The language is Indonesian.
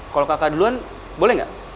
kalau kakak duluan boleh nggak